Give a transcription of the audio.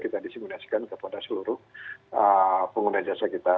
kita disimulasikan kepada seluruh pengguna jasa kita